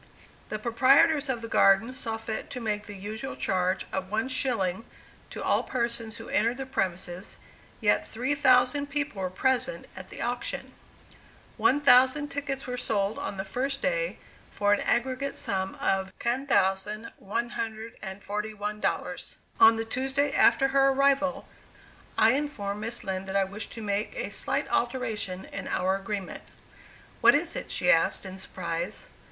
The proprietors of the Garden saw fit to make the usual charge of one shilling to all persons who entered the premises, yet three thousand people were present at the auction. One thousand tickets were sold on the first day for an aggregate sum of $10,141. On the Tuesday after her arrival I informed Miss Lind that I wished to make a slight alteration in our agreement. "What is it?" she asked in surprise.